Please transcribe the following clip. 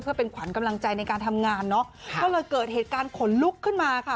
เพื่อเป็นขวัญกำลังใจในการทำงานเนอะก็เลยเกิดเหตุการณ์ขนลุกขึ้นมาค่ะ